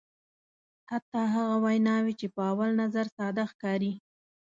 حتی هغه ویناوی چې په اول نظر ساده ښکاري.